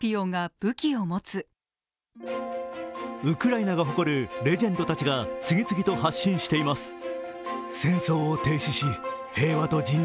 ウクライナが誇るレジェンドたちが次々と発信しています。